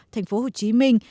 thành phố hồ chí minh